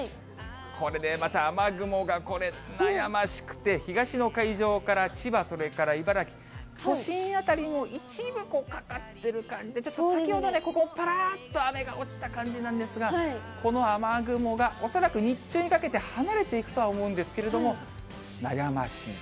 これね、また雨雲が悩ましくて、東の海上から千葉、それから茨城、都心辺りも一部、かかっている感じが、先ほどね、ここ、ぱらっと雨が落ちた感じなんですが、この雨雲が恐らく、日中にかけて離れていくとは思うんですけれども、悩ましい。